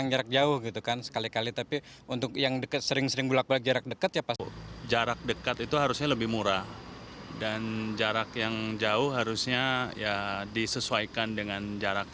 jarak dekat itu harusnya lebih murah dan jarak yang jauh harusnya disesuaikan dengan jarak